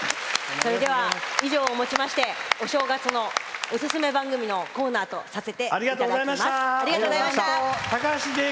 以上をもちましてお正月のオススメ番組のコーナーとさせていただきます。